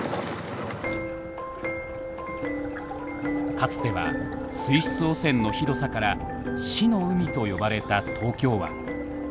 かつては水質汚染のひどさから「死の海」と呼ばれた東京湾。